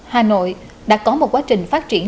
hà nội đã có một quá trình phát triển